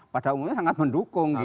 pada umumnya sangat mendukung